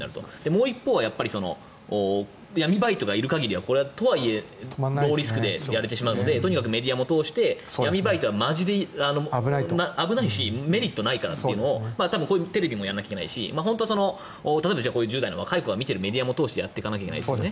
もう一方は闇バイトがいる限りはこれは、とはいえノーリスクでやれてしまうのでとにかくメディアも通して闇バイトは危ないしメリットないからっていうのを多分、こういうテレビもやらなきゃいけないし本当は例えば１０代の若い子が見ているメディアも通してやっていかないといけないと。